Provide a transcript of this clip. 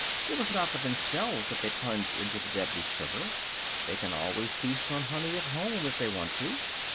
It was not for themselves that they plunged into the deadly sugar; they can always feast on honey at home, if they want to.